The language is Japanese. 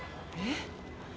えっ？